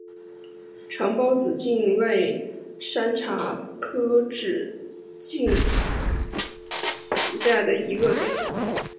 长苞紫茎为山茶科紫茎属下的一个种。